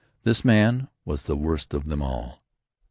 This man was the worst of them all.